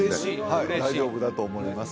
はい大丈夫だと思います